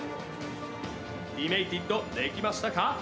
・ディメイティッドできましたか？